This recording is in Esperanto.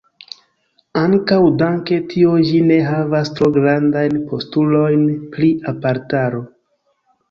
Ankaŭ danke tio ĝi ne havas tro grandajn postulojn pri aparataro.